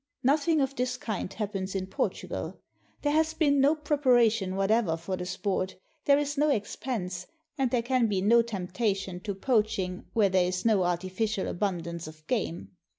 Nothing of this kind happens in Portugal. There has been no preparation whatever for the sport, there is no expense, and there can be no temptation to poaching 629 PORTUGAL where there is no artificial abundance of game.